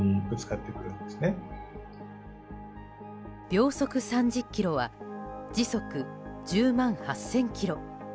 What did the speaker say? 秒速３０キロは時速１０万８０００キロ。